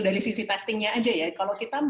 dari sisi testingnya aja ya